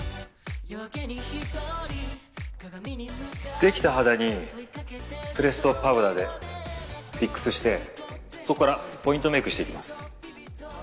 できた肌にプレストパウダーでフィックスしてそこからポイントメイクしていきます。